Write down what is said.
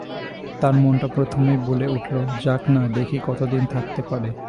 তার মনটা প্রথমেই বলে উঠল– যাক-না দেখি কতদিন থাকতে পারে।